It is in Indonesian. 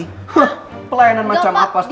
hah pelayanan macam apa seperti itu